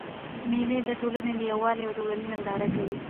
مېلې د ټولني د یووالي او ورورولۍ ننداره کوي.